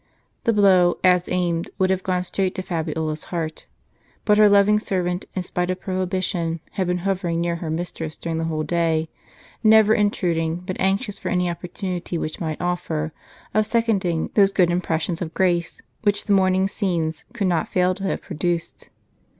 The blow, as aimed, would have gone straight to Fabiola's heart. But her loving servant, in spite of prohi bition, had been hovering near her mistress during the whole w g fl p day ; never intruding, but anxious for any opportunity which might offer, of seconding those good impressions of grace, which the morning's scfenes could not fail to have produced.